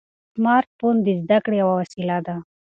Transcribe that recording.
سمارټ فون د زده کړې یوه وسیله ده.